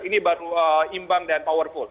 ini baru imbang dan powerful